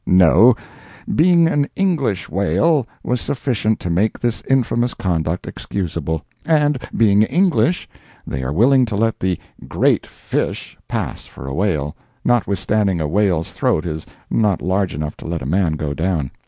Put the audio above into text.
No—being an English whale was sufficient to make this infamous conduct excusable; and being English, they are willing to let the "great fish" pass for a whale, notwithstanding a whale's throat is not large enough to let a man go down.